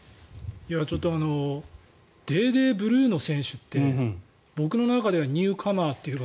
ちょっとデーデー・ブルーノ選手って僕の中ではニューカマーというか。